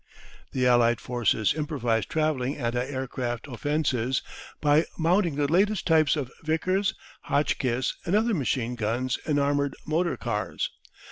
The Allied forces improvised travelling anti aircraft offences by mounting the latest types of Vickers, Hotchkiss, and other machine guns in armoured motor cars.